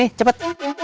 iya sini cepet